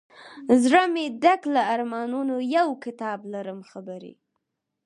زړه مي ډک له ارمانونو یو کتاب لرم خبري